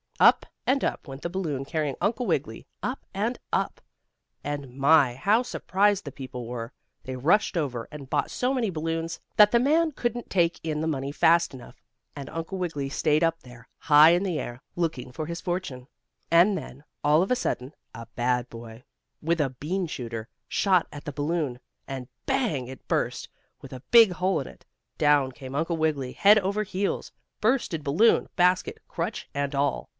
Up and up went the balloon carrying Uncle Wiggily. Up and up! And my! how surprised the people were. They rushed over and bought so many balloons that the man couldn't take in the money fast enough. And Uncle Wiggily stayed up there, high in the air, looking for his fortune. And then, all of a sudden, a bad boy, with a bean shooter, shot at the balloon, and "bang!" it burst, with a big hole in it. Down came Uncle Wiggily, head over heels, bursted balloon, basket, crutch and all.